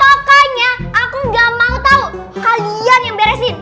pokoknya aku gak mau tahu kalian yang beresin